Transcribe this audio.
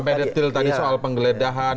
sampai detail tadi soal penggeledahan